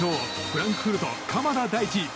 フランクフルト、鎌田大地。